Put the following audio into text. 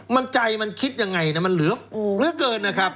มันใจมันคิดยังไงเนี่ยมันเหลือเกินหน่าครับ